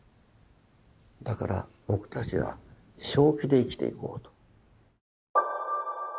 だから僕たちは「正気」で生きていこうと。